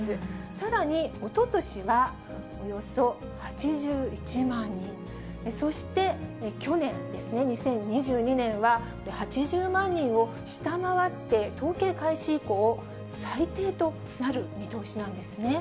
さらにおととしはおよそ８１万人、そして去年ですね、２０２２年は、８０万人を下回って、統計開始以降最低となる見通しなんですね。